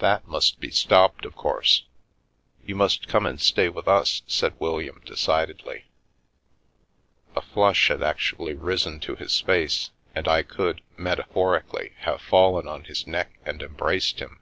That must be stopped, of course. You must come and stay with us," said William, decidedly. A flush had actually risen to his face, and I could (metaphorically) have fallen on his neck and embraced him.